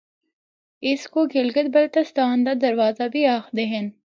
اسکو گلگت بلتستان دا دروازہ بھی آخدے ہن۔